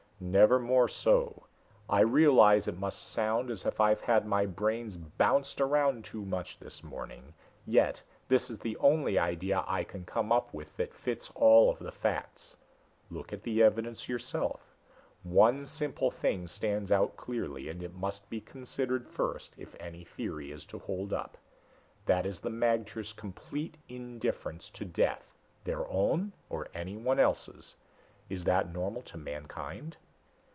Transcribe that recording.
"Never more so. I realize it must sound as if I've had my brains bounced around too much this morning. Yet this is the only idea I can come up with that fits all of the facts. Look at the evidence yourself. One simple thing stands out clearly, and must be considered first if any theory is to hold up. That is the magters' complete indifference to death their own or anyone else's. Is that normal to mankind?"